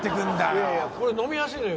いやいや飲みやすいのよ